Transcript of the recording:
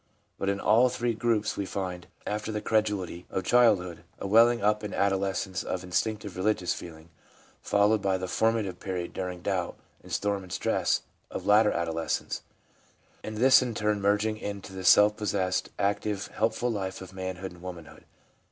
But in all three groups we find, after the credulity of childhood, a welling up in adolescence of instinctive religious feeling, followed by the formative period during doubt and storm and stress of later adolescence, and this in turn merging into the self possessed, active, helpful life of manhood and woman hood.